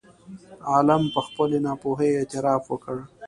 عالم په خپلې ناپوهۍ اعتراف وکړ.